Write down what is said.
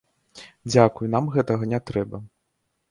Дзякуй, нам гэтага не трэба!